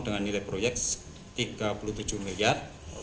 dengan nilai proyek rp tiga puluh tujuh miliar